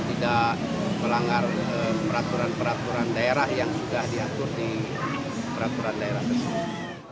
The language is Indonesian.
tidak melanggar peraturan peraturan daerah yang sudah diatur di peraturan daerah tersebut